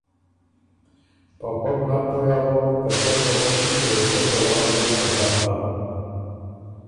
په پۀ بو نک پویٛ اغوک که څۀ ر بُو غؤݭی او څۀ ځواب ال يې پکر هۀ۔